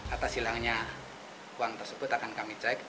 atas hilangnya uang tersebut akan kami cek